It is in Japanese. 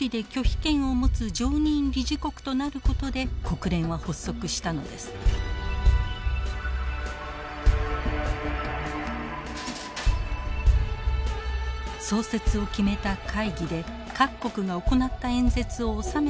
創設を決めた会議で各国が行った演説を収めたテープが残されていました。